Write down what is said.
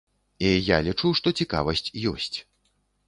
І я лічу, што цікавасць ёсць.